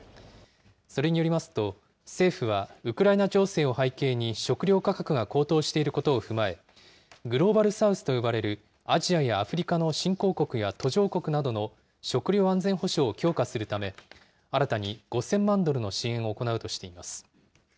それによりますと、政府はウクライナ情勢を背景に、食料価格が高騰していることを踏まえ、グローバル・サウスと呼ばれるアジアやアフリカの新興国や、途上国などの食料安全保障を強化するため、新たに５０００万ドルの支援を行うとしています。